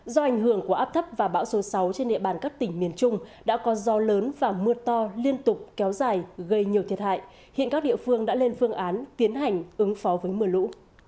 do ảnh hưởng của áp thấp và bão số sáu trên địa bàn các tỉnh miền trung đã có gió lớn và mưa to liên tục kéo dài gây nhiều thiệt hại hiện các địa phương đã lên phương án tiến hành ứng phó với mưa lũ